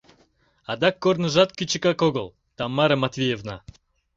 Адак корныжат кӱчыкак огыл, Тамара Матвеевна.